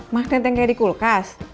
magnet yang kayak di kulkas